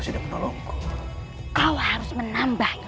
senepat tidur galah dari sukamana